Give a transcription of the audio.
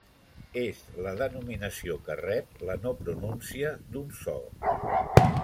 És la denominació que rep la no pronúncia d'un so.